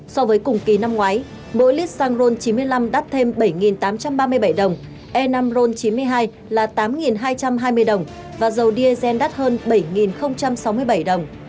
so với cùng kỳ năm ngoái mỗi lít xăng ron chín mươi năm đắt thêm bảy tám trăm ba mươi bảy đồng e năm ron chín mươi hai là tám hai trăm hai mươi đồng và dầu diesel đắt hơn bảy sáu mươi bảy đồng